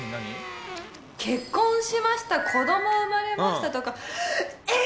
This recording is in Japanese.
結婚しました、子ども産まれましたとか、えっ！